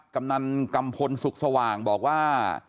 กำนันกัมพลสุขสว่างบอกว่า